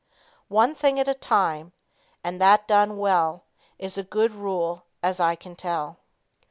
"One thing at a time, and that done will Is a good rule as I can tell."